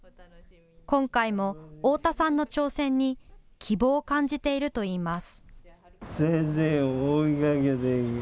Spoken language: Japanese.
今回も太田さんの挑戦に希望を感じているといいます。